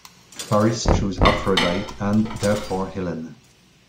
Paris chose Aphrodite - and, therefore, Helen.